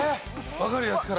わかるやつから。